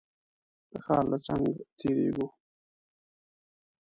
د ښار له څنګ تېرېږو.